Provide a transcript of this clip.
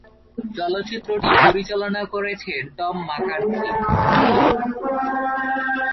চলচ্চিত্রটি পরিচালনা করেছেন টম ম্যাকার্থি।